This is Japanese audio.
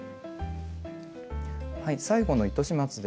最後の糸始末です。